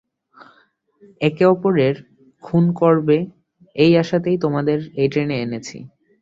একে অপরকে খুন করবে এই আশাতেই তোমাদের এই ট্রেনে এনেছি।